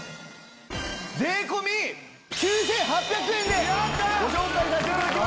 税込９８００円でご紹介させて頂きます！